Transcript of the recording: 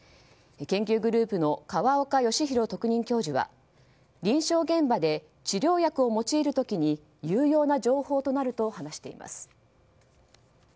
研究グループの河岡義裕特任教授は臨床現場で治療薬を用いる時に有用な情報となると話しています。